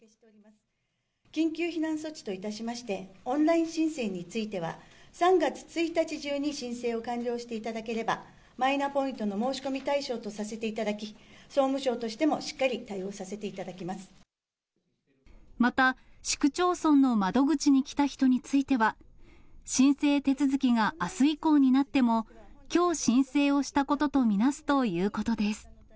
緊急避難措置といたしまして、オンライン申請については、３月１日中に申請を完了していただければ、マイナポイントの申し込み対象とさせていただき、総務省としてもまた、市区町村の窓口に来た人については、申請手続きがあす以降になっても、きょう申請をしたこととみなすということです。